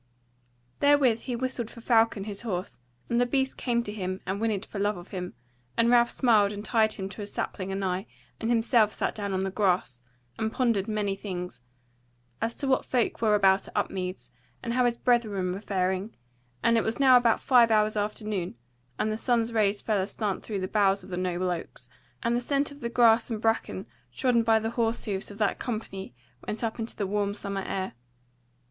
Therewith he whistled for Falcon his horse, and the beast came to him, and whinnied for love of him, and Ralph smiled and tied him to a sapling anigh, and himself sat down on the grass, and pondered many things; as to what folk were about at Upmeads, and how his brethren were faring; and it was now about five hours after noon, and the sun's rays fell aslant through the boughs of the noble oaks, and the scent of the grass and bracken trodden by the horse hoofs of that company went up into the warm summer air.